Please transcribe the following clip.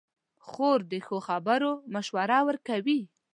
خور د ښو خبرو مشوره ورکوي.